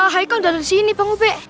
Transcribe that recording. haikal udah ada di sini pak rt